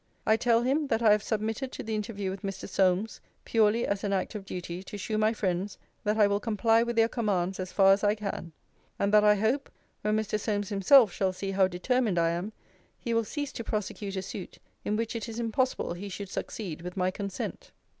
'I tell him, that I have submitted to the interview with Mr. Solmes, purely as an act of duty, to shew my friends, that I will comply with their commands as far as I can; and that I hope, when Mr. Solmes himself shall see how determined I am, he will cease to prosecute a suit, in which it is impossible he should succeed with my consent.